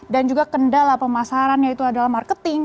dan juga kendala pemasaran yaitu adalah marketing